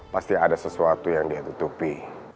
pasti ada sesuatu yang dia tutupi